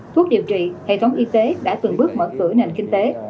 thuốc điều trị hệ thống y tế đã từng bước mở cửa nền kinh tế